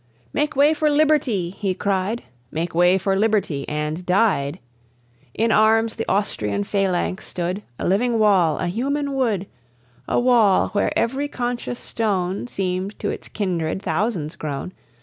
"Make way for liberty!" he cried, Make way for liberty, and died. In arms the Austrian phalanx stood, A living wall, a human wood, A wall, where every conscious stone Seemed to its kindred thousands grown.